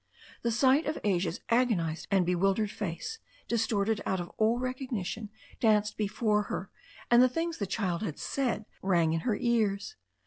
The sight of Asia's agonized and bewildered face, distorted out of all recognition, danced before her, and the things the child had said rang in her ears.